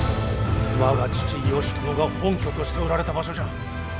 我が父義朝が本拠としておられた場所じゃ。